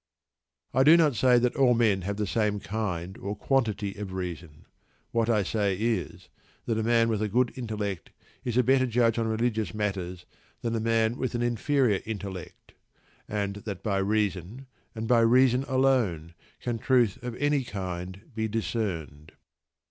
I do not say that all men have the same kind or quantity of reason. What I say is, that a man with a good intellect is a better judge on religious matters than a man, with an inferior intellect; and that by reason, and by reason alone, can truth of any kind be discerned.